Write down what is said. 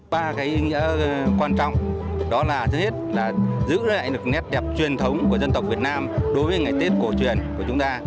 ba cái ý nghĩa quan trọng đó là thứ hết là giữ lại được nét đẹp truyền thống của dân tộc việt nam đối với ngày tết cổ truyền của chúng ta